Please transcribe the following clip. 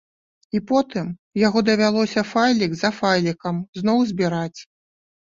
І потым яго давялося файлік за файлікам зноў збіраць.